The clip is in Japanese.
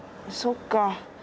そっか。